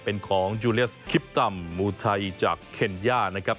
เป็นของยูเลียสคิปตัมมูไทยจากเคนย่านะครับ